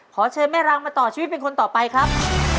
ขอเชิญแม่รังมาต่อชีวิตเป็นคนต่อไปครับ